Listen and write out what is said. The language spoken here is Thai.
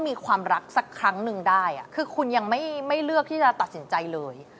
มีความรักสักครั้งหนึ่งได้คือคุณยังไม่เลือกที่จะตัดสินใจเลย